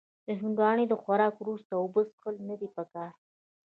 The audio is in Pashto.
د هندوانې د خوراک وروسته اوبه څښل نه دي پکار.